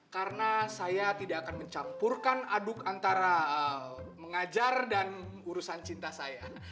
karena saya tidak akan mencampurkan aduk antara mengajar dan urusan cinta saya